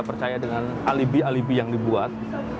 percaya dengan alibi alibi yang dibuat